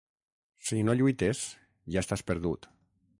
Si no lluites, ja estàs perdut.